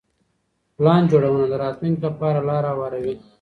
پلان جوړونه د راتلونکي لپاره لاره هواروي.